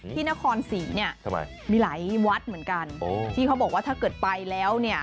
ที่นครศรีเนี่ยทำไมมีหลายวัดเหมือนกันที่เขาบอกว่าถ้าเกิดไปแล้วเนี่ย